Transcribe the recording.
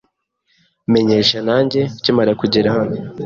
Menyesha nanjye ukimara kugera hano.